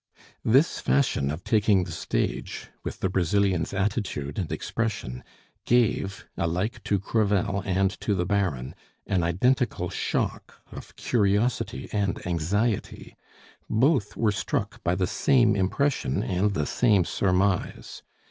This fashion of taking the stage, with the Brazilian's attitude and expression, gave, alike to Crevel and to the baron, an identical shock of curiosity and anxiety. Both were struck by the same impression and the same surmise.